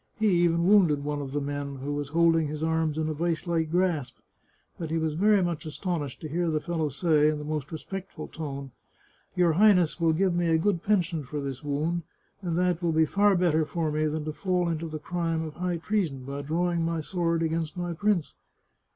He even wounded one of the men, who was holding his arms in a vice like grasp, but he was very much astonished to hear the fellow say, in the most respect ful tone :" Your Highness will give me a good pension for this wound, and that will be far better for me than to fall into the crime of high treason by drawing my sword against my prince."